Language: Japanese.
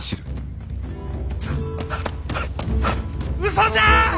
嘘じゃあ！